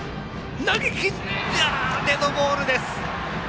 デッドボールです。